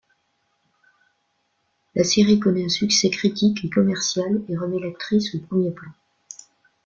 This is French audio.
La série connait un succès critique et commercial et remet l'actrice au premier plan.